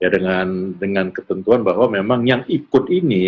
dengan ketentuan bahwa memang yang ikut ini